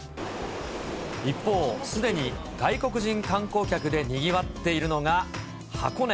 一方、すでに外国人観光客でにぎわっているのが、箱根。